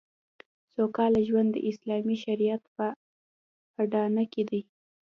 سوکاله ژوند د اسلامي شریعت په اډانه کې دی